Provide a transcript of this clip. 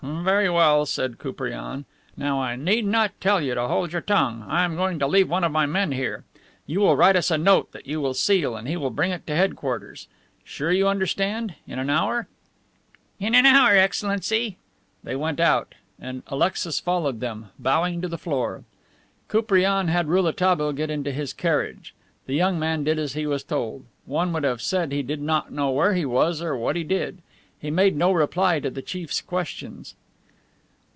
"Very well," said Koupriane. "Now I need not tell you to hold your tongue. I am going to leave one of my men here. You will write us a note that you will seal, and he will bring it to head quarters. Sure you understand? In an hour?" "In an hour, Excellency." They went out, and Alexis followed them, bowing to the floor. Koupriane had Rouletabille get into his carriage. The young man did as he was told. One would have said he did not know where he was or what he did. He made no reply to the chief's questions.